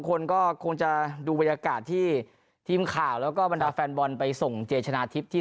คนก็คงจะดูบรรยากาศที่ทีมข่าวแล้วก็บรรดาแฟนบอลไปส่งเจชนะทิพย์ที่